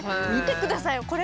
見てくださいよ。